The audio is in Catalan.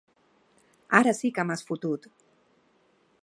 Ara sí que m'has fotut!